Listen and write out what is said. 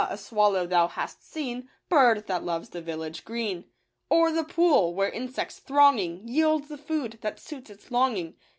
a swallow thou hast seen — Bird that loves the village green, Or the pool, where insects thronging, Yield the food that suits its longing.